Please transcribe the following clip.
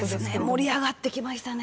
盛り上がってきましたね。